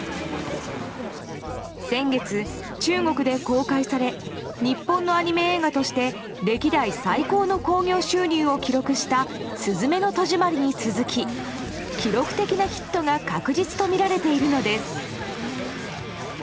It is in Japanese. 先月、中国で公開され日本のアニメ映画として歴代最高の興行収入を記録した「すずめの戸締まり」に続き記録的なヒットが確実とみられているのです。